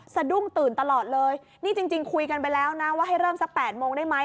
สะดุ้งตื่นตลอดเลยนี่จริงคุยกันไปแล้วนะว่าให้เริ่มสัก๘โมงได้ไหม